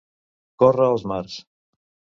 Córrer els mars.